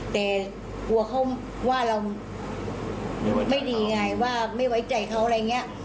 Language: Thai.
แต่กลัวเขาว่าเราไม่ดีไงว่าไม่ไว้ใจเขาอะไรอย่างนี้